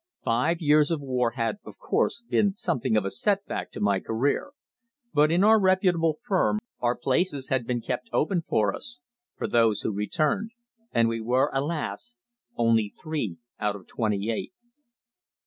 Five years of war had, of course, been something of a set back to my career, but in our reputable firm our places had been kept open for us for those who returned, and we were, alas! only three out of twenty eight.